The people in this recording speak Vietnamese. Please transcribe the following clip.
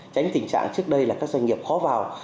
tránh tình trạng trước đây là các doanh nghiệp khó vào